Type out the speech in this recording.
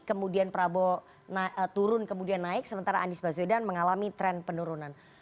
kemudian prabowo turun kemudian naik sementara anies baswedan mengalami tren penurunan